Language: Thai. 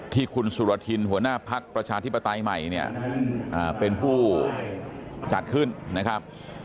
ที่คุณสุรทินหัวหน้าพักประชาธิปไตยใหม่เนี่ยเป็นผู้จัดขึ้นนะครับ